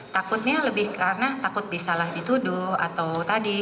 takutnya lebih karena takut disalah dituduh atau tadi